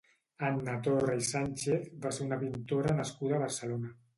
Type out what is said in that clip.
Anna Torra i Sánchez va ser una pintora nascuda a Barcelona.